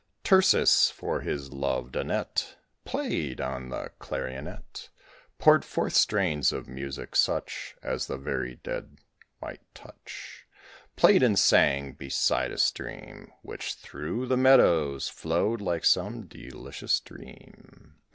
Tircis, for his loved Annette Playing on the Clarionet, Poured forth strains of music, such As the very dead might touch: Played and sang beside a stream Which through the meadows flowed like some delicious dream.